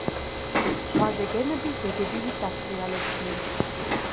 ზღვაზე გემები გედებივით დასრიალებდნენ.